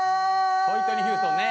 ホイットニー・ヒューストンね。